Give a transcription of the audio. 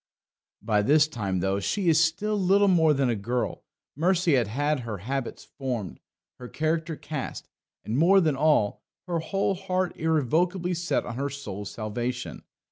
By this time, though she is still little more than a girl, Mercy had her habits formed, her character cast, and, more than all, her whole heart irrevocably set on her soul's salvation.